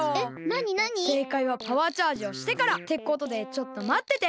せいかいはパワーチャージをしてから。ってことでちょっとまってて。